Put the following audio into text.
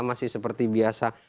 masih seperti biasa